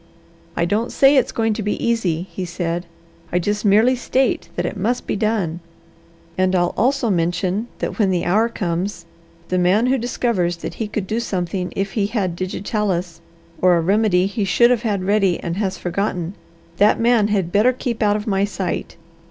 "I don't say it's going to be easy," he said. "I just merely state that it must be done. And I'll also mention that, when the hour comes, the man who discovers that he could do something if he had digitalis, or a remedy he should have had ready and has forgotten, that man had better keep out of my sight.